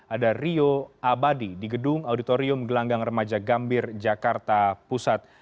ada rio abadi di gedung auditorium gelanggang remaja gambir jakarta pusat